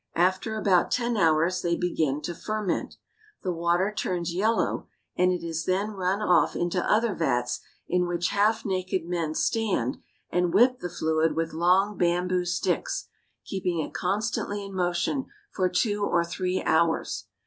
After about ten hours they begin to ferment. The water turns yellow, and it is then run off into other vats in which half naked men stand and whip the fluid with long bamboo sticks, keeping it constantly in motion for two or three hours.